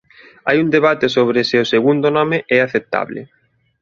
Hai un debate sobre se o segundo nome é aceptable.